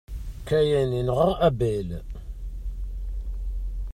Kain yenɣa Abel.